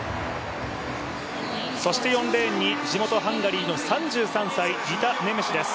４レーンに地元ハンガリーの３３歳、リタ・ネメシュです。